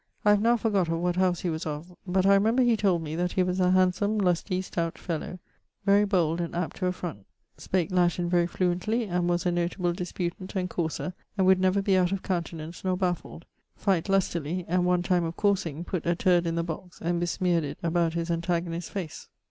I have now forgot of what house he was of: but I remember he told me that he was a handsome lusty stout fellow, very bold, and apt to affront. Spake Latin very fluently; and was a notable disputent and courser, and would never be out of countenance nor baffeled; fight lustily; and, one time of coursing, putt a turd in the box, and besmeared it about his antagonist's face.